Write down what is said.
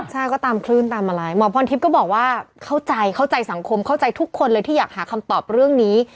ใช่ก็ตามคลื่นตามอะไรหมอพรทิพย์ก็บอกว่าเข้าใจเข้าใจสังคมเข้าใจทุกคนเลยที่อยากหาคำตอบเรื่องนี้